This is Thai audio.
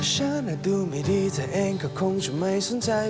ฉันดูไม่ดีเธอเองก็คงจะไม่สนใจ